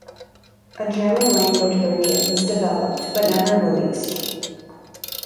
A German language version was developed, but never released.